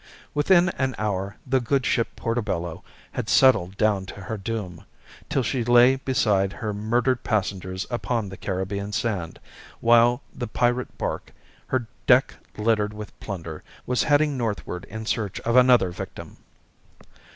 Within an hour the good ship Portobello had settled down to her doom, till she lay beside her murdered passengers upon the Caribbean sand, while the pirate barque, her deck littered with plunder, was heading northward in search of another victim.